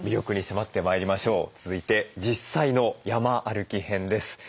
続いて実際の山歩き編です。